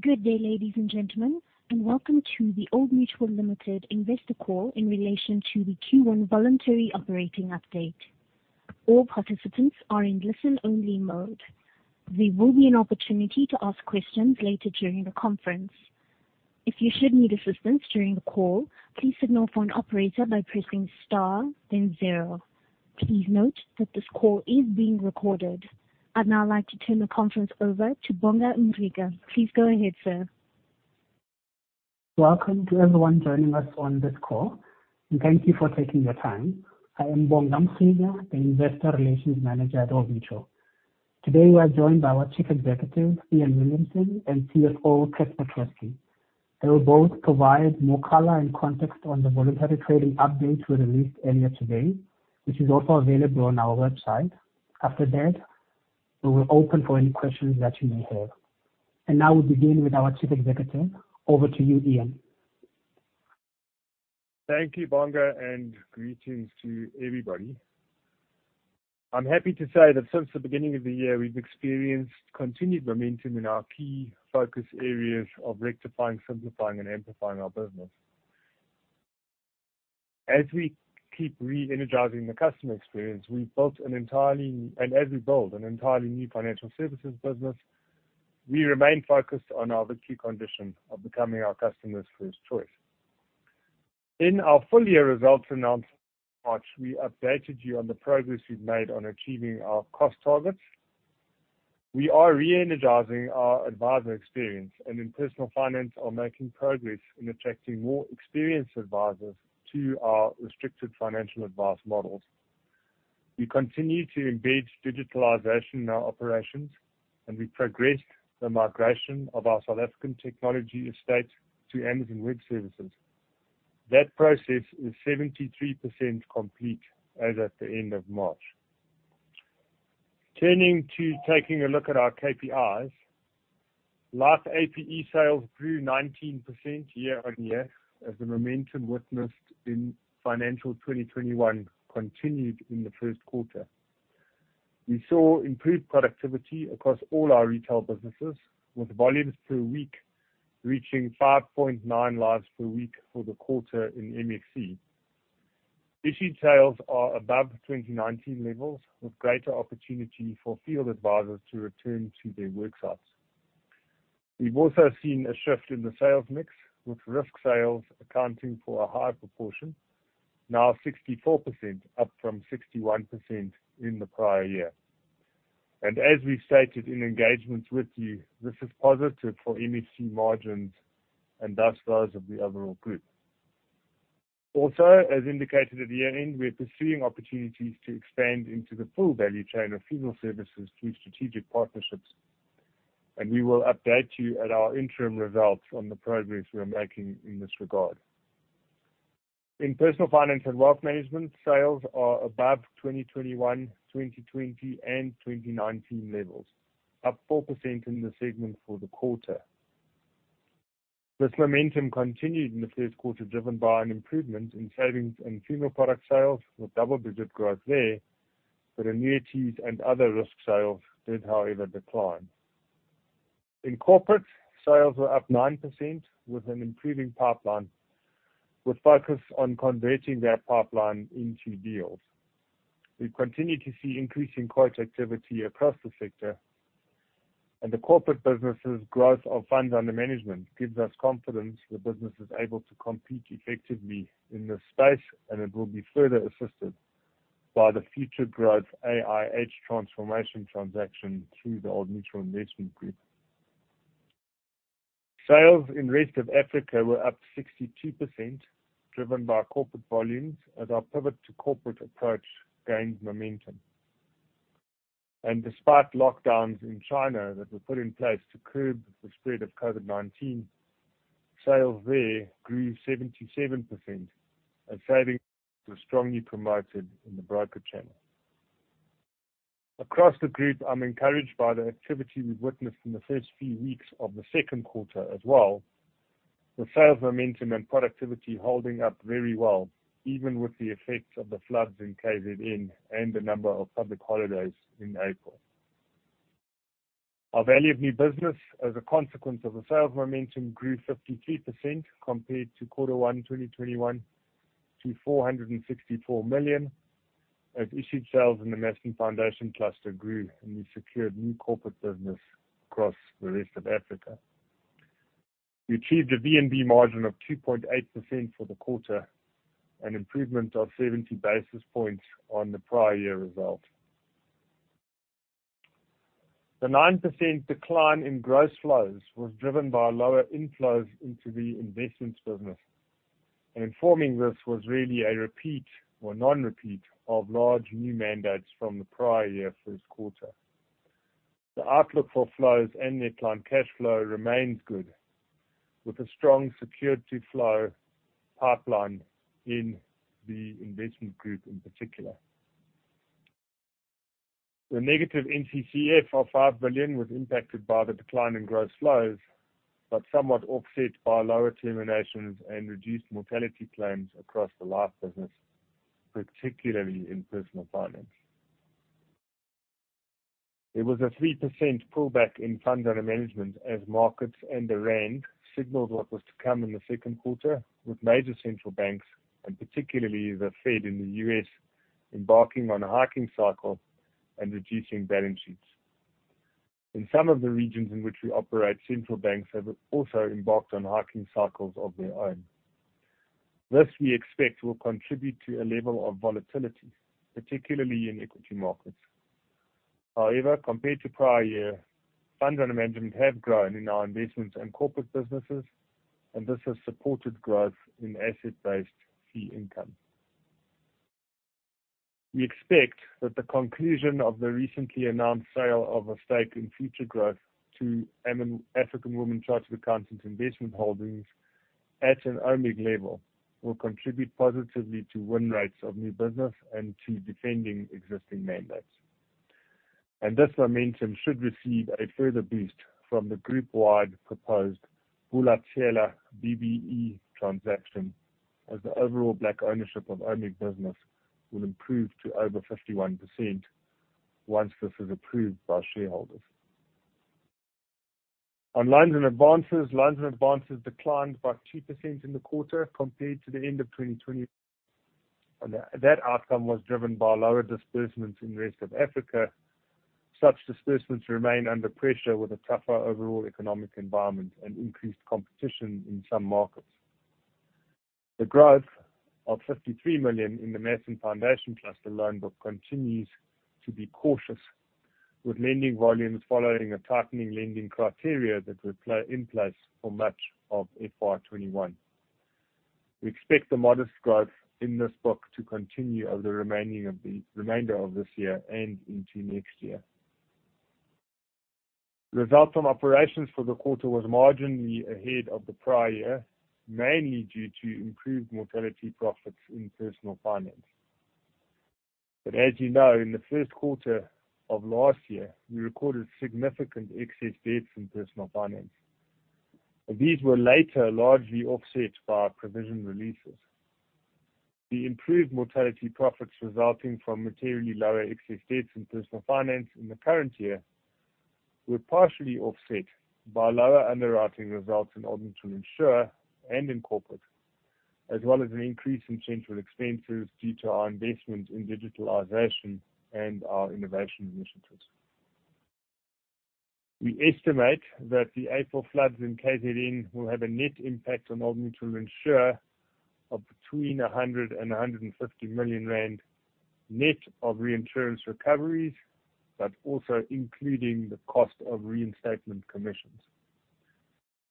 Good day, ladies and gentlemen, and welcome to the Old Mutual Limited Investor Call in relation to the Q1 voluntary operating update. All participants are in listen-only mode. There will be an opportunity to ask questions later during the conference. If you should need assistance during the call, please signal for an operator by pressing star then zero. Please note that this call is being recorded. I'd now like to turn the conference over to Bonga Mriga. Please go ahead, sir. Welcome to everyone joining us on this call, and thank you for taking the time. I am Bonga Mriga, the Investor Relations Manager at Old Mutual. Today, we are joined by our Chief Executive, Iain Williamson, and CFO, Casper Troskie. They will both provide more color and context on the voluntary trading update we released earlier today, which is also available on our website. After that, we will open for any questions that you may have. Now we begin with our Chief Executive. Over to you, Iain. Thank you, Bonga, and greetings to everybody. I'm happy to say that since the beginning of the year, we've experienced continued momentum in our key focus areas of rectifying, simplifying, and amplifying our business. As we keep re-energizing the customer experience, as we build an entirely new financial services business, we remain focused on our key conviction of becoming our customers' first choice. In our full-year results announced March, we updated you on the progress we've made on achieving our cost targets. We are re-energizing our advisor experience and in Personal Finance are making progress in attracting more experienced advisors to our restricted financial advice models. We continue to embed digitalization in our operations, and we progress the migration of our South African technology estate to Amazon Web Services. That process is 73% complete as at the end of March. Turning to taking a look at our KPIs. Life APE sales grew 19% year-on-year as the momentum witnessed in financial 2021 continued in the first quarter. We saw improved productivity across all our retail businesses, with volumes per week reaching 5.9 lives per week for the quarter in MFC. Issued sales are above 2019 levels, with greater opportunity for field advisors to return to their worksites. We've also seen a shift in the sales mix, with risk sales accounting for a higher proportion, now 64%, up from 61% in the prior year. As we stated in engagements with you, this is positive for MFC margins and thus growth of the overall group. Also, as indicated at the year-end, we are pursuing opportunities to expand into the full value chain of funeral services through strategic partnerships, and we will update you at our interim results on the progress we are making in this regard. In Personal Finance and Wealth Management, sales are above 2021, 2020, and 2019 levels, up 4% in the segment for the quarter. This momentum continued in the first quarter, driven by an improvement in savings and funeral product sales with double-digit growth there, but annuities and other risk sales did, however, decline. In corporate, sales were up 9% with an improving pipeline, with focus on converting that pipeline into deals. We continue to see increasing quote activity across the sector, and the corporate businesses growth of funds under management gives us confidence the business is able to compete effectively in this space, and it will be further assisted by the Futuregrowth acquisition transaction through the Old Mutual Investment Group. Sales in Rest of Africa were up 62%, driven by corporate volumes as our pivot to corporate approach gained momentum. Despite lockdowns in China that were put in place to curb the spread of COVID-19, sales there grew 77% as savings were strongly promoted in the broker channel. Across the group, I'm encouraged by the activity we've witnessed in the first few weeks of the second quarter as well. The sales momentum and productivity holding up very well, even with the effects of the floods in KZN and the number of public holidays in April. Our value of new business as a consequence of the sales momentum grew 52% compared to Q1 2021 to 464 million. As issued sales in the Mass & Foundation Cluster grew, and we secured new corporate business across the Rest of Africa. We achieved a VNB margin of 2.8% for the quarter, an improvement of 70 basis points on the prior year results. The 9% decline in gross flows was driven by lower inflows into the Investments business. Informing this was really a non-repeat of large new mandates from the prior-year first quarter. The outlook for flows and net client cash flow remains good, with a strong securities flow pipeline in the Investment Group in particular. The negative NCCF of 5 billion was impacted by the decline in gross flows, but somewhat offset by lower terminations and reduced mortality claims across the life business, particularly in Personal Finance. There was a 3% pullback in funds under management as markets and the rand signaled what was to come in the second quarter, with major central banks, and particularly the Fed in the U.S., embarking on a hiking cycle and reducing balance sheets. In some of the regions in which we operate, central banks have also embarked on hiking cycles of their own. This, we expect, will contribute to a level of volatility, particularly in equity markets. However, compared to prior year, funds under management have grown in our investments and corporate businesses, and this has supported growth in asset-based fee income. We expect that the conclusion of the recently announced sale of a stake in Futuregrowth to African Women Chartered Accountants Investment Holdings at an OMIC level will contribute positively to win rates of new business and to defending existing mandates. This momentum should receive a further boost from the group-wide proposed Bula Tsela BEE transaction, as the overall Black ownership of OMIC business will improve to over 51% once this is approved by shareholders. On loans and advances. Loans and advances declined by 2% in the quarter compared to the end of 2020. That outcome was driven by lower disbursements in the Rest of Africa. Such disbursements remain under pressure with a tougher overall economic environment and increased competition in some markets. The growth of 53 million in the Mass and Foundation plus the loan book continues to be cautious, with lending volumes following a tightening lending criteria that were in place for much of FY 2021. We expect the modest growth in this book to continue over the remainder of this year and into next year. Results from operations for the quarter was marginally ahead of the prior year, mainly due to improved mortality profits in Personal Finance. As you know, in the first quarter of last year, we recorded significant excess deaths in Personal Finance. These were later largely offset by our provision releases. The improved mortality profits resulting from materially lower excess deaths in Personal Finance in the current year were partially offset by lower underwriting results in Old Mutual Insure and in corporate, as well as an increase in central expenses due to our investment in digitalization and our innovation initiatives. We estimate that the April floods in KwaZulu-Natal will have a net impact on Old Mutual Insure of between 100 million and 150 million rand, net of reinsurance recoveries, but also including the cost of reinstatement commissions.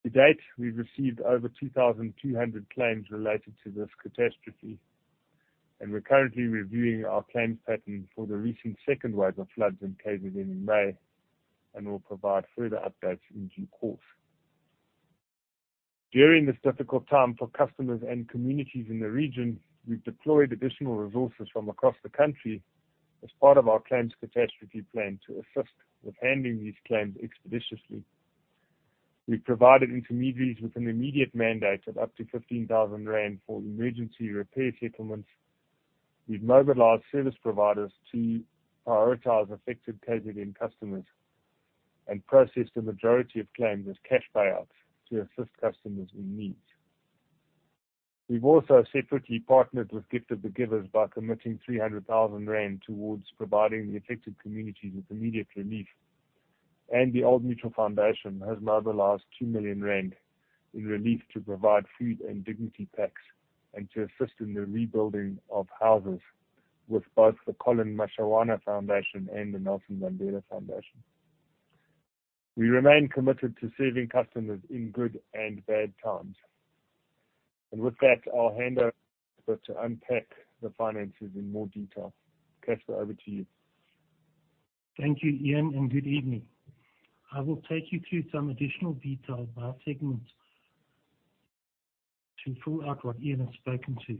To date, we've received over 2,200 claims related to this catastrophe, and we're currently reviewing our claims pattern for the recent second wave of floods in KwaZulu-Natal in May, and we'll provide further updates in due course. During this difficult time for customers and communities in the region, we've deployed additional resources from across the country as part of our claims catastrophe plan to assist with handling these claims expeditiously. We've provided intermediaries with an immediate mandate of up to 15,000 rand for emergency repair settlements. We've mobilized service providers to prioritize affected KwaZulu-Natal customers and processed the majority of claims as cash payouts to assist customers in need. We've also separately partnered with Gift of the Givers by committing 300,000 rand towards providing the affected communities with immediate relief. The Old Mutual Foundation has mobilized 2 million rand in relief to provide food and dignity packs and to assist in the rebuilding of houses with both the Colleen Mashawana Foundation and the Nelson Mandela Foundation. We remain committed to serving customers in good and bad times. With that, I'll hand over to Casper to unpack the finances in more detail. Casper, over to you. Thank you, Iain, and good evening. I will take you through some additional detail by segment to fill out what Iain has spoken to.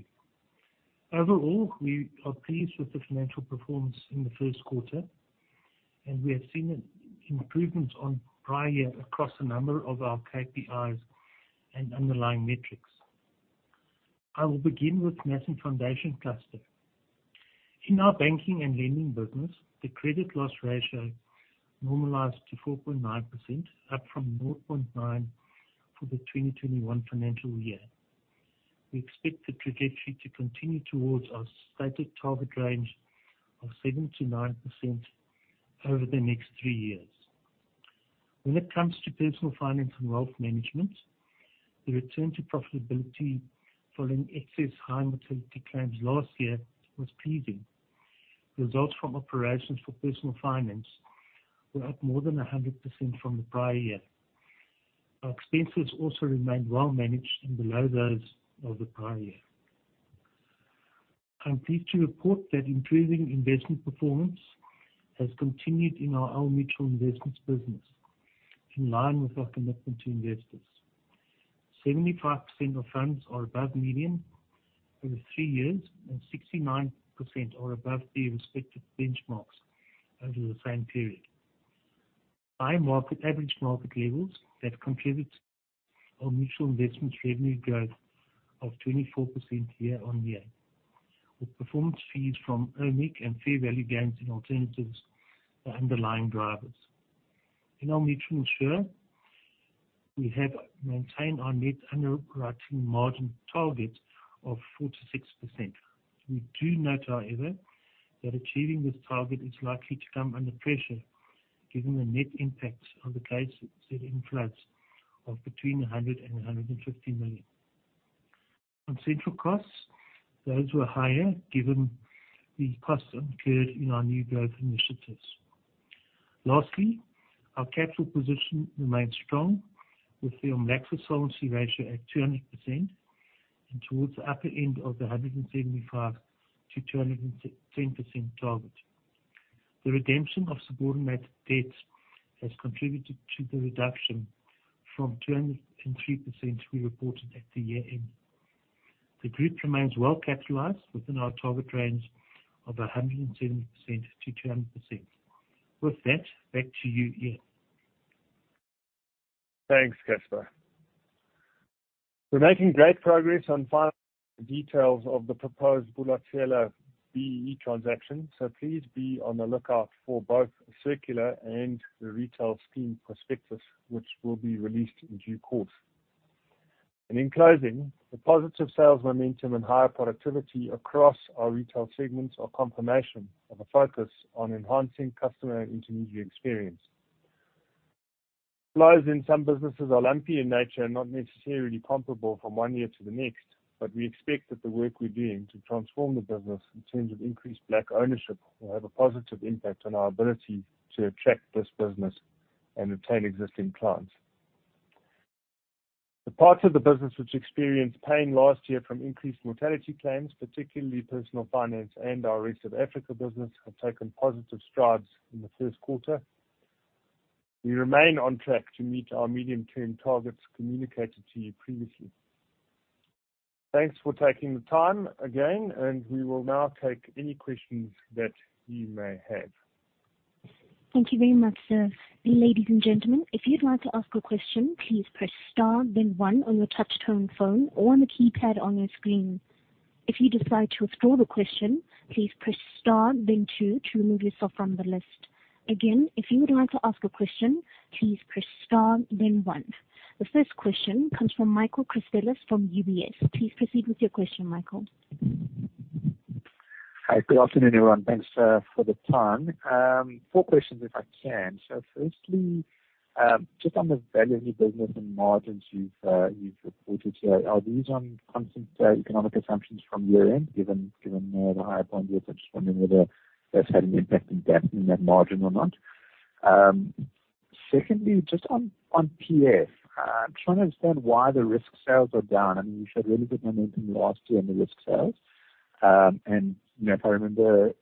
Overall, we are pleased with the financial performance in the first quarter, and we have seen improvements on prior year across a number of our KPIs and underlying metrics. I will begin with Mass and Foundation Cluster. In our banking and lending business, the credit loss ratio normalized to 4.9%, up from 0.9% for the 2021 financial year. We expect the trajectory to continue towards our stated target range of 7%-9% over the next three years. When it comes to personal finance and wealth management, the return to profitability following excess high mortality claims last year was pleasing. Results from operations for personal finance were up more than 100% from the prior year. Our expenses also remained well managed and below those of the prior year. I'm pleased to report that improving investment performance has continued in our Old Mutual Investments business, in line with our commitment to investors. 75% of funds are above median over 3 years, and 69% are above their respective benchmarks over the same period. High market, average market levels that contribute our mutual investments revenue growth of 24% year-on-year. With performance fees from OMIC and fair value gains in alternatives, the underlying drivers. In Old Mutual Insure, we have maintained our net underwriting margin target of 46%. We do note, however, that achieving this target is likely to come under pressure given the net impact of the KZN floods of between 100 million and 150 million. On central costs, those were higher given the costs incurred in our new growth initiatives. Lastly, our capital position remains strong with the maximum solvency ratio at 200% and towards the upper end of the 175%-210% target. The redemption of subordinate debt has contributed to the reduction from 203% we reported at the year-end. The group remains well capitalized within our target range of 170%-200%. With that, back to you, Iain. Thanks, Casper. We're making great progress on final details of the proposed Bula Tsela BEE transaction. Please be on the lookout for both circular and the retail scheme prospectus, which will be released in due course. In closing, the positive sales momentum and higher productivity across our retail segments are confirmation of a focus on enhancing customer and intermediary experience. Supplies in some businesses are lumpy in nature and not necessarily comparable from one year to the next, but we expect that the work we're doing to transform the business in terms of increased black ownership will have a positive impact on our ability to attract this business and retain existing clients. The parts of the business which experienced pain last year from increased mortality claims, particularly Personal Finance and our Rest of Africa business, have taken positive strides in the first quarter. We remain on track to meet our medium-term targets communicated to you previously. Thanks for taking the time again, and we will now take any questions that you may have. Thank you very much, sir. Ladies and gentlemen, if you'd like to ask a question, please press star then one on your touch tone phone or on the keypad on your screen. If you decide to withdraw the question, please press star then two to remove yourself from the list. Again, if you would like to ask a question, please press star then one. The first question comes from Michael Christelis from UBS. Please proceed with your question, Michael. Hi, good afternoon, everyone. Thanks for the time. four questions if I can. Firstly, just on the value of your business and margins you've reported here, are these on constant economic assumptions from year-end, given the higher bond yields? I'm just wondering whether that's had an impact in that margin or not. Secondly, just on PF, I'm trying to understand why the risk sales are down. I mean, you showed really good momentum last year in the risk sales. You know, if I remember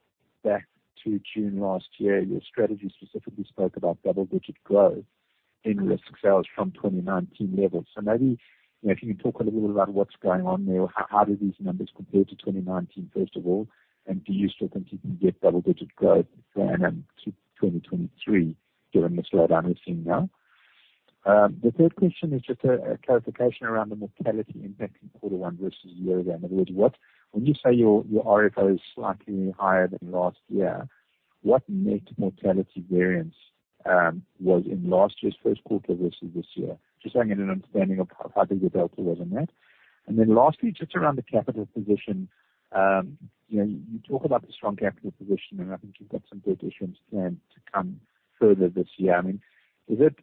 back to June last year, your strategy specifically spoke about double-digit growth in risk sales from 2019 levels. Maybe, you know, can you talk a little bit about what's going on there? Or how do these numbers compare to 2019, first of all? Do you still continue to get double-digit growth for to 2023, given the slowdown we're seeing now? The third question is just a clarification around the mortality impact in quarter one versus year-over-year. In other words, when you say your RFO is slightly higher than last year, what net mortality variance was in last year's first quarter versus this year? Just so I get an understanding of how big a delta was on that. Then lastly, just around the capital position. You know, you talk about the strong capital position, and I think you've got some good issuances planned to come further this year. I mean, is it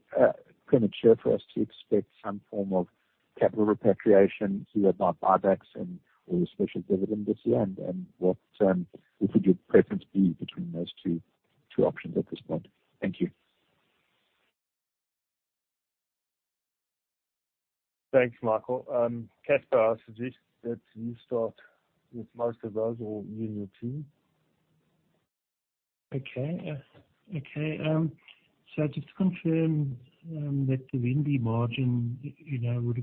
premature for us to expect some form of capital repatriation be it by buybacks and/or a special dividend this year? What would your preference be between those two options at this point? Thank you. Thanks, Michael. Casper, I suggest that you start with most of those or you and your team. Okay. So just to confirm, that the VNB margin, you know, would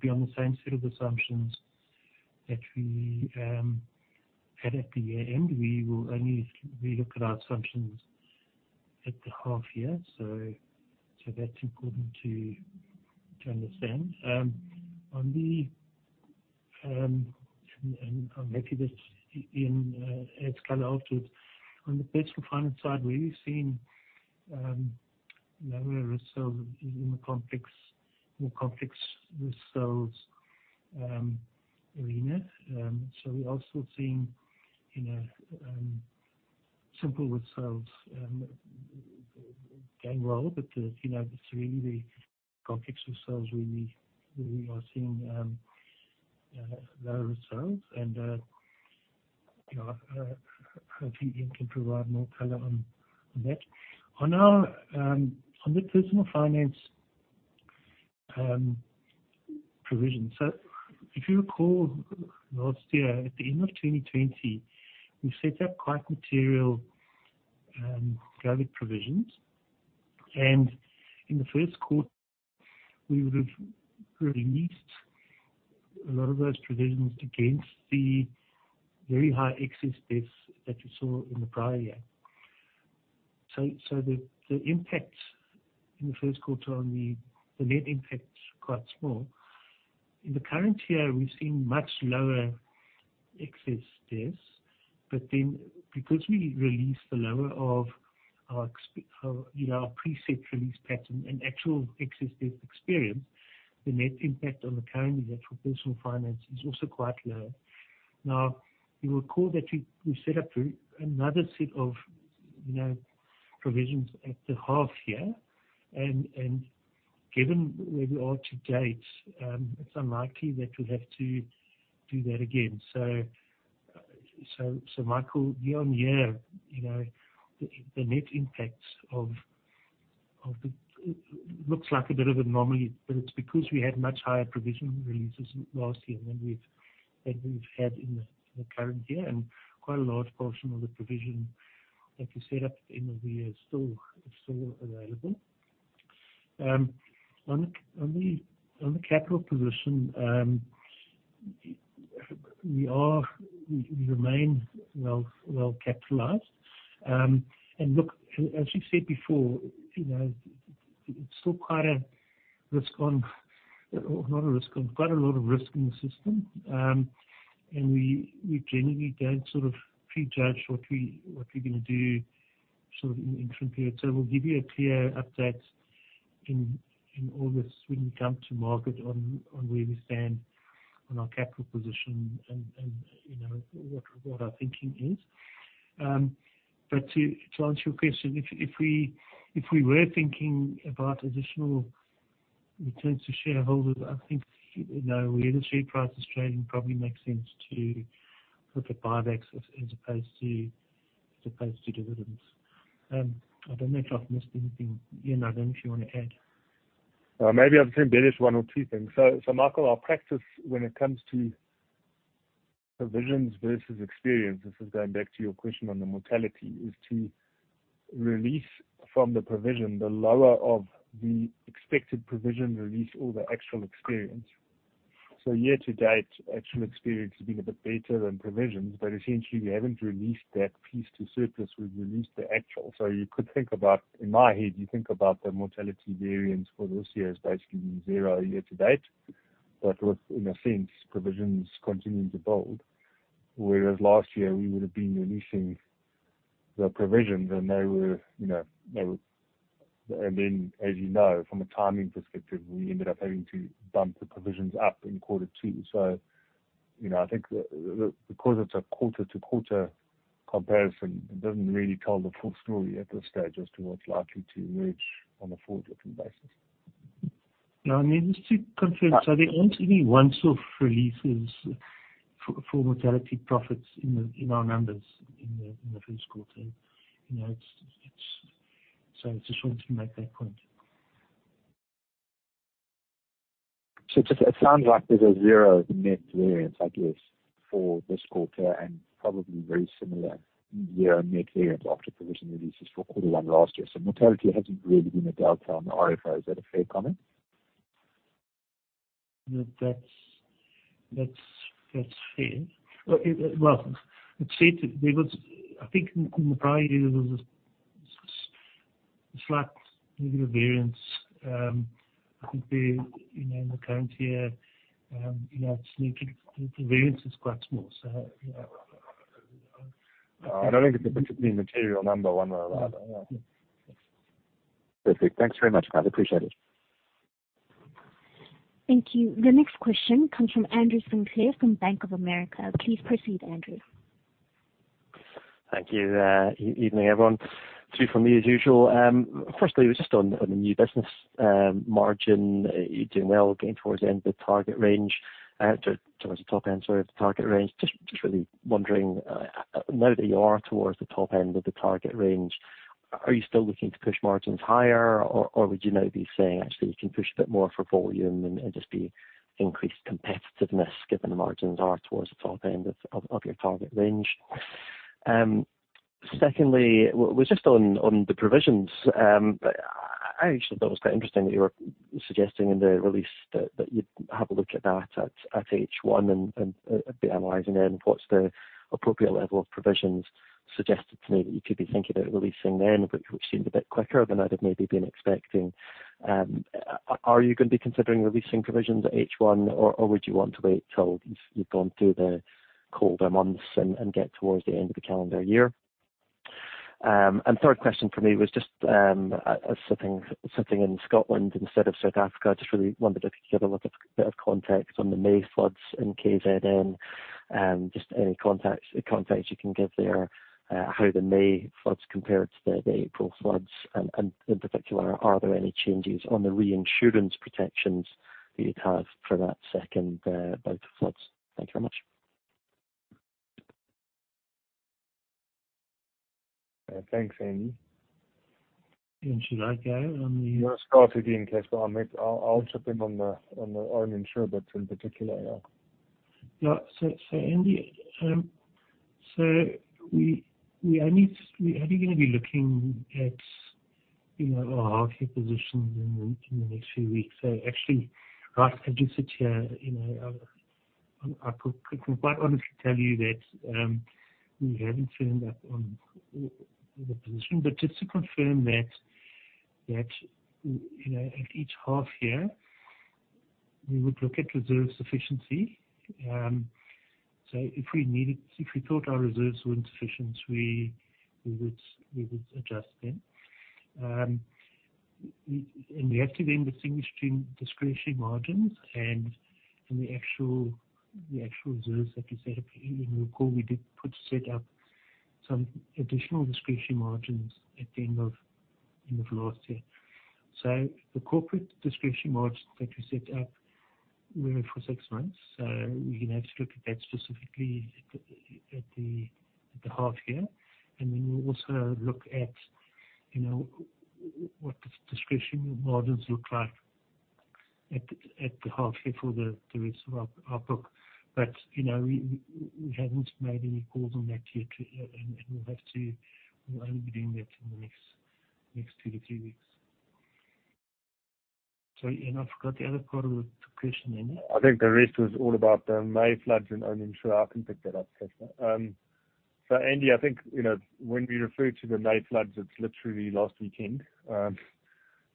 be on the same set of assumptions that we had at the year-end. We will only re-look at our assumptions at the half-year. That's important to understand. I'll maybe add that's in as Carlo alluded. On the Personal Finance side, we're really seeing lower results in the complex, more complex retail arena. We're also seeing, you know, simple retail going well. You know, it's really the complex retail we are seeing lower results. You know, hopefully Iain can provide more color on that. On the Personal Finance provision. If you recall last year, at the end of 2020, we set up quite material IBNR provisions. In the first quarter, we would have released a lot of those provisions against the very high excess deaths that you saw in the prior year. The impact in the first quarter on the net impact is quite small. In the current year, we've seen much lower excess deaths. Because we released the lower of our preset release pattern and actual excess death experience, you know, the net impact on the current year for Personal Finance is also quite low. You recall that we set up another set of provisions at the half year. Given where we are to date, it's unlikely that we'll have to do that again. Michael, year-on-year, the net impact of the looks like a bit of an anomaly, but it's because we had much higher provision releases last year than we've had in the current year. Quite a large portion of the provision that we set up at the end of the year is still available. On the capital position, we remain well capitalized. Look, as we said before, it's still quite a lot of risk in the system. We generally don't sort of pre-judge what we're gonna do sort of in interim periods. We'll give you a clear update in August when we come to market on where we stand on our capital position and, you know, what our thinking is. To answer your question, if we were thinking about additional returns to shareholders, I think, you know, where the share price is trading, it probably makes sense to look at buybacks as opposed to dividends. I don't know if I've missed anything. Iain, I don't know if you wanna add. Well, maybe I'll just embellish one or two things. Michael, our practice when it comes to provisions versus experience, this is going back to your question on the mortality, is to release from the provision the lower of the expected provision release or the actual experience. Year to date, actual experience has been a bit better than provisions, but essentially we haven't released that piece to surplus. We've released the actual. You could think about, in my head, you think about the mortality variance for this year is basically zero year to date. With, in a sense, provisions continuing to build. Whereas last year, we would have been releasing the provisions, and they were, you know, they were. As you know, from a timing perspective, we ended up having to bump the provisions up in quarter two. you know, I think because it's a quarter-to-quarter comparison, it doesn't really tell the full story at this stage as to what's likely to emerge on a forward-looking basis. No, I mean, just to confirm. There aren't any once-off releases for mortality profits in our numbers in the first quarter. You know, I just wanted to make that point. It just sounds like there's a zero net variance, I guess, for this quarter and probably very similar zero net variance after provision releases for quarter one last year. Mortality hasn't really been a delta on the ROA. Is that a fair comment? That's fair. Well, it's fair to. There was, I think, in the prior year, there was a slight negative variance. I think, you know, in the current year, you know, it's the variance is quite small. You know. I don't think it's a particularly material number one way or another. Yeah. Perfect. Thanks very much, guys. Appreciate it. Thank you. The next question comes from Andrew Sinclair from Bank of America. Please proceed, Andrew. Thank you. Evening, everyone. Two from me as usual. Firstly, just on the new business margin. You're doing well, getting towards the end of the target range. Towards the top end, sorry, of the target range. Just really wondering, now that you are towards the top end of the target range, are you still looking to push margins higher? Or would you now be saying, actually, you can push a bit more for volume and just the increased competitiveness given the margins are towards the top end of your target range? Secondly, was just on the provisions. I actually thought it was quite interesting that you were suggesting in the release that you'd have a look at that at H1 and be analyzing then what's the appropriate level of provisions. Suggested to me that you could be thinking about releasing then, which seemed a bit quicker than I'd have maybe been expecting. Are you gonna be considering releasing provisions at H1, or would you want to wait till you've gone through the colder months and get towards the end of the calendar year? And third question from me was just something in Scotland instead of South Africa. I just really wondered if you could give a little bit of context on the May floods in KZN. Just any context you can give there. How the May floods compared to the April floods. In particular, are there any changes on the reinsurance protections that you'd have for that second bout of floods? Thank you very much. Thanks, Andy. Should I go on the? You start it, Iain, but I'll chip in on the insurance in particular, yeah. Andy, we only gonna be looking at you know, our half year positions in the next few weeks. Actually, right as you sit here, you know, I could quite honestly tell you that we haven't turned up on the position. Just to confirm that, you know, at each half year we would look at reserve sufficiency. If we thought our reserves weren't sufficient, we would adjust them. We have to then distinguish between discretionary margins and the actual reserves that we set up. You may recall we did set up some additional discretionary margins at the end of last year. The corporate discretionary margins that we set up were for six months. We're gonna have to look at that specifically at the half year. Then we'll also look at, you know, what the discretionary margins look like at the half year for the rest of our book. You know, we haven't made any calls on that yet. We'll have to. We'll only be doing that in the next two to three weeks. Iain, I forgot the other part of the question, Iain. I think the rest was all about the May floods in KZN. Sure, I can pick that up, Casper. Andy, I think, you know, when we refer to the May floods, it's literally last weekend.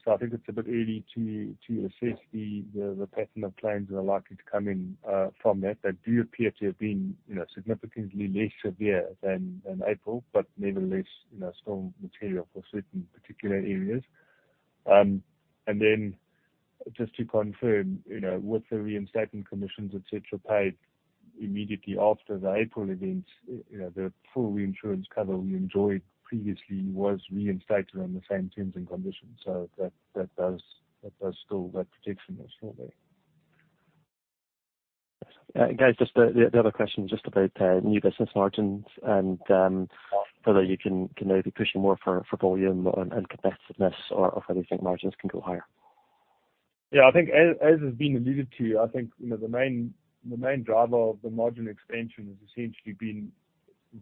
I think it's a bit early to assess the pattern of claims that are likely to come in from that. They do appear to have been, you know, significantly less severe than April, but nevertheless, you know, storm material for certain particular areas. Then just to confirm, you know, with the reinstatement premiums, et cetera, paid immediately after the April events, you know, the full reinsurance cover we enjoyed previously was reinstated on the same terms and conditions. That does still, that protection is still there. Guys, just the other question just about new business margins and whether you can maybe push more for volume and competitiveness or whether you think margins can go higher. Yeah, I think as has been alluded to, I think, you know, the main driver of the margin expansion has essentially been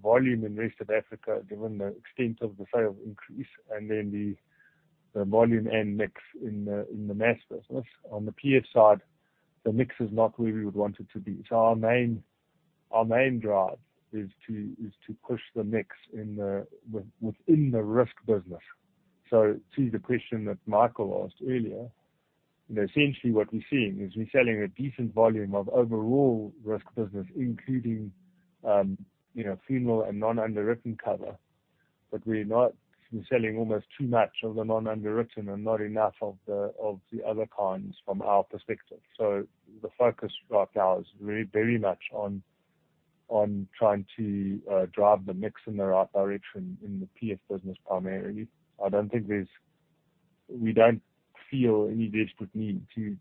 volume in the Rest of Africa, given the extent of the sale increase and then the volume and mix in the mass business. On the PF side, the mix is not where we would want it to be. Our main drive is to push the mix within the risk business. To the question that Michael asked earlier, you know, essentially what we're seeing is we're selling a decent volume of overall risk business, including, you know, funeral and non-underwritten cover. But we're not selling almost too much of the non-underwritten and not enough of the other kinds from our perspective. The focus right now is very, very much on trying to drive the mix in the right direction in the PF business primarily. We don't feel any desperate need to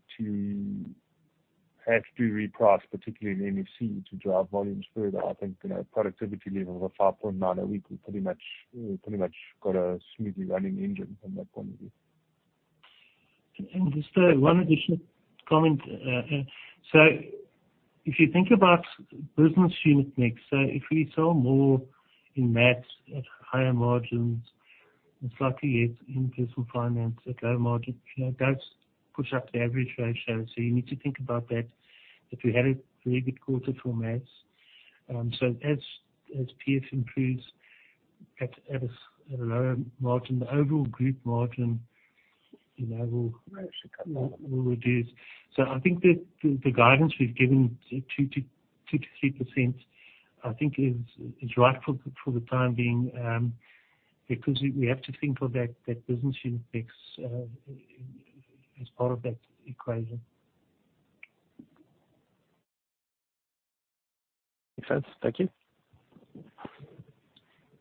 have to reprice, particularly in MFC, to drive volumes further. I think, you know, productivity level of 5.9 a week, we've pretty much got a smoothly running engine from that point of view. Just one additional comment. If you think about business unit mix, if we sell more in MFC at higher margins and slightly less in Personal Finance at lower margin, you know, that pushes up the average ratio. You need to think about that. We had a very good quarter for MFC. As PF improves at a lower margin, the overall group margin, you know, will reduce. I think that the guidance we've given 2%-3% is right for the time being, because we have to think of that business unit mix as part of that equation. Makes sense. Thank you.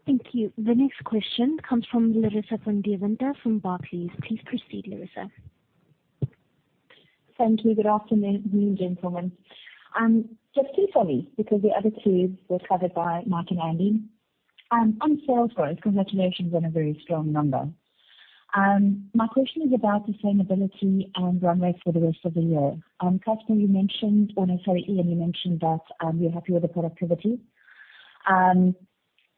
Thank you. The next question comes from Larissa Van Deventer from Barclays. Please proceed, Larissa. Thank you. Good afternoon, gentlemen. Just two for me, because the other two were covered by Mark and Andy. On sales growth, congratulations on a very strong number. My question is about sustainability and runway for the rest of the year. Iain, you mentioned that you're happy with the productivity.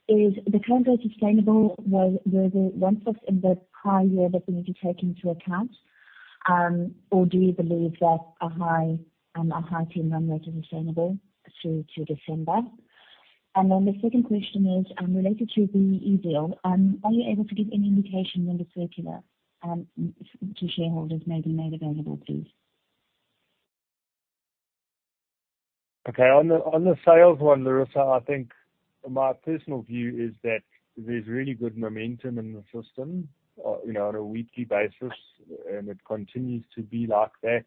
Is the current rate sustainable while there is a once-off in the prior year that we need to take into account? Or do you believe that a high tier number is sustainable through to December? Then the second question is related to the BEE deal. Are you able to give any indication when the circular to shareholders may be made available, please? Okay. On the sales one, Larissa, I think my personal view is that there's really good momentum in the system, you know, on a weekly basis, and it continues to be like that.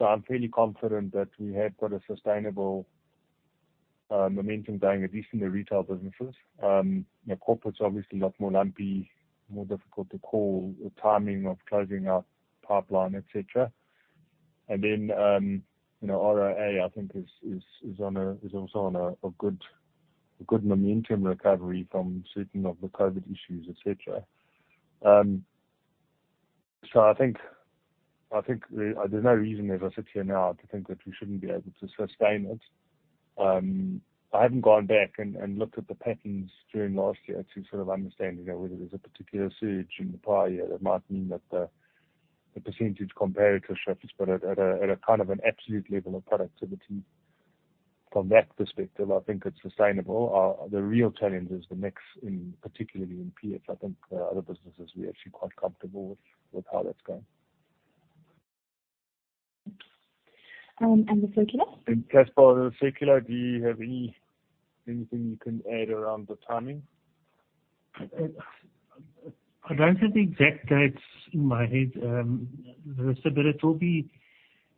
I'm fairly confident that we have got a sustainable momentum going, at least in the retail businesses. You know, corporate's obviously a lot more lumpy, more difficult to call the timing of closing our pipeline, et cetera. You know, ROA, I think is also on a good momentum recovery from certain of the COVID issues, et cetera. I think there's no reason as I sit here now to think that we shouldn't be able to sustain it. I haven't gone back and looked at the patterns during last year to sort of understand, you know, whether there's a particular surge in the prior year that might mean that the percentage comparator shifts. At a kind of an absolute level of productivity from that perspective, I think it's sustainable. The real challenge is the mix in, particularly in PF. I think the other businesses we're actually quite comfortable with how that's going. The circular? Casper, the circular, do you have anything you can add around the timing? I don't have the exact dates in my head, Larissa, but it'll be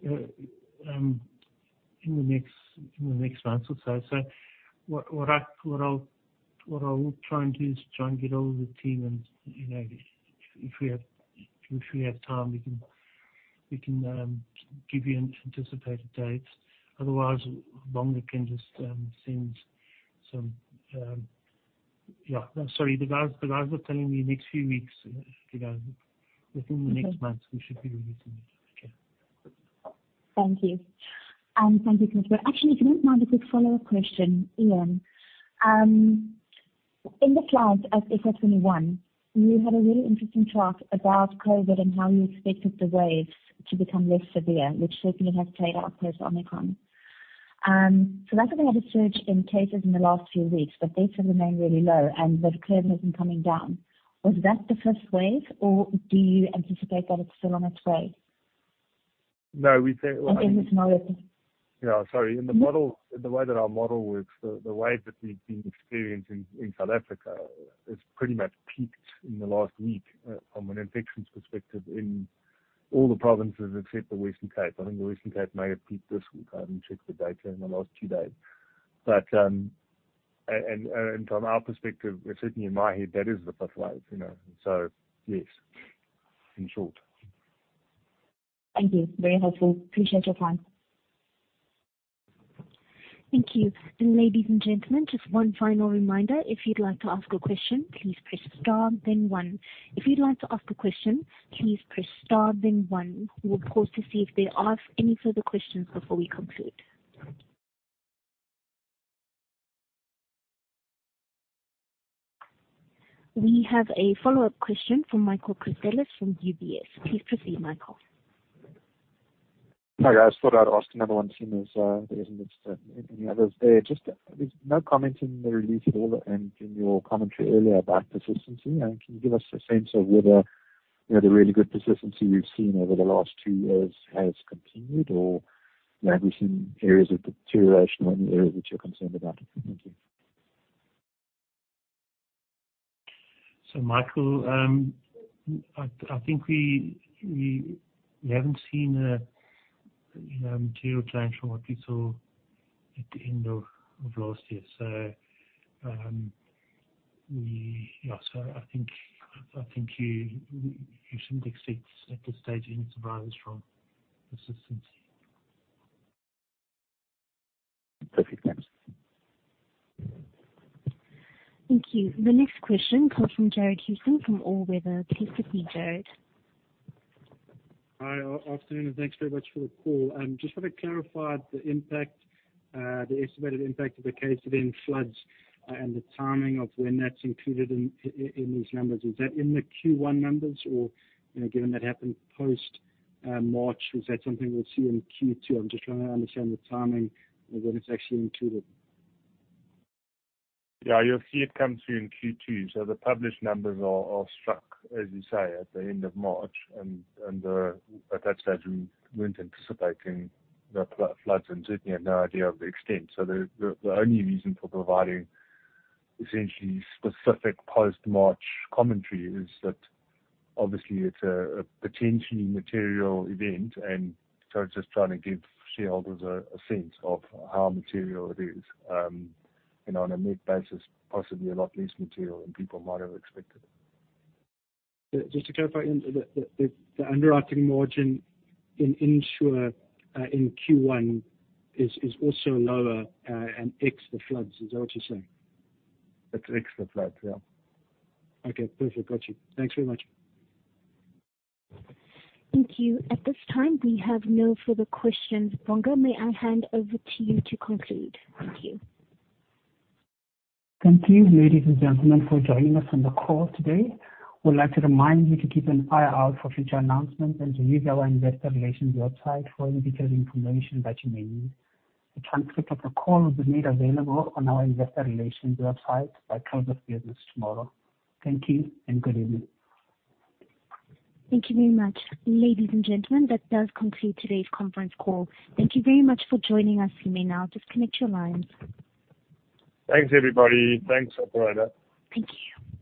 in the next month or so. What I'll try and do is try and get ahold of the team and, you know, if we have time, we can give you anticipated dates. Otherwise, Bonga can just send some. Yeah. Sorry. The guys were telling me next few weeks, you know. Within the next month we should be releasing it. Okay. Thank you. Thank you, Casper. Actually, if you don't mind, a quick follow-up question, Iain. In the slides of FY 21, you had a really interesting chart about COVID and how you expected the waves to become less severe, which certainly has played out post Omicron. South Africa had a surge in cases in the last few weeks, but deaths have remained really low and the curve has been coming down. Was that the first wave, or do you anticipate that it's still on its way? No, we think. Is this now over? Yeah, sorry. The way that our model works, the wave that we've been experiencing in South Africa has pretty much peaked in the last week, from an infections perspective in all the provinces except the Western Cape. I think the Western Cape may have peaked this week. I haven't checked the data in the last two days. From our perspective, certainly in my head, that is the fifth wave, you know. Yes, in short. Thank you. Very helpful. Appreciate your time. Thank you. Ladies and gentlemen, just one final reminder, if you'd like to ask a question, please press star then one. If you'd like to ask a question, please press star then one. We'll pause to see if there are any further questions before we conclude. We have a follow-up question from Michael Christelis from UBS. Please proceed, Michael. Hi, guys. Thought I'd ask another one seeing as there isn't any others there. Just there's no comment in the release at all and in your commentary earlier about persistency. Can you give us a sense of whether, you know, the really good persistency we've seen over the last two years has continued or, you know, we're seeing areas of deterioration or any areas which you're concerned about? Thank you. Michael, I think we haven't seen a material change from what we saw at the end of last year. I think you shouldn't expect at this stage any surprise from persistency. Perfect. Thanks. Thank you. The next question comes from Jared Houston from All Weather Capital. Please proceed, Jared. Hi. Afternoon. Thanks very much for the call. Just want to clarify the impact, the estimated impact of the Cape Town floods, and the timing of when that's included in these numbers. Is that in the Q1 numbers or, given that happened post March, is that something we'll see in Q2? I'm just trying to understand the timing of when it's actually included. Yeah. You'll see it come through in Q2. The published numbers are struck, as you say, at the end of March. At that stage, we weren't anticipating the floods and certainly had no idea of the extent. The only reason for providing essentially specific post-March commentary is that obviously it's a potentially material event. Just trying to give shareholders a sense of how material it is. You know, on a net basis, possibly a lot less material than people might have expected. Just to clarify, the underwriting margin in insurance in Q1 is also lower, and ex the floods. Is that what you're saying? That's ex the floods. Yeah. Okay. Perfect. Got you. Thanks very much. Thank you. At this time, we have no further questions. Bonga, may I hand over to you to conclude? Thank you. Thank you, ladies and gentlemen, for joining us on the call today. We'd like to remind you to keep an eye out for future announcements and to use our investor relations website for any detailed information that you may need. A transcript of the call will be made available on our investor relations website by close of business tomorrow. Thank you and good evening. Thank you very much. Ladies and gentlemen, that does conclude today's conference call. Thank you very much for joining us. You may now disconnect your lines. Thanks, everybody. Thanks, operator. Thank you.